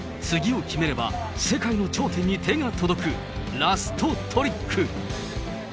次を決めれば、世界の頂点に手が届くラストトリック。